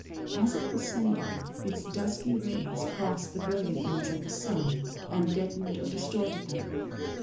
As it descended, its dusky rays crossed the brilliant ones of the sun, and deadened or distorted them.